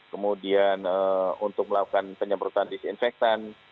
kemudian untuk melakukan penyemprotan disinfektan